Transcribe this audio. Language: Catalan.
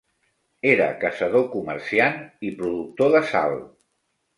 Era caçador-comerciant i productor de sal.